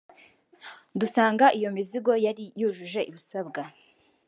dusanga iyo mizigo yari yujuje ibisabwa